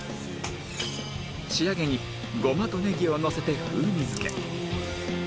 仕上げにゴマとネギをのせて風味づけ